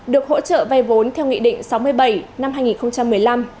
được hỗ trợ vay vốn theo nghị định sáu mươi bảy năm hai nghìn một mươi năm